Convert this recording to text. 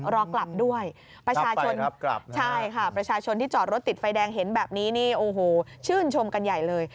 รอกลับด้วยประชาชนใช่ค่ะประชาชนที่จอดรถติดไฟแดงเห็นแบบนี้นี่โอ้โหชื่นชมกันใหญ่เลย